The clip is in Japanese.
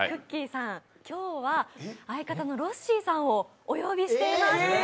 さん、今日は相方のロッシーさんをお呼びしています。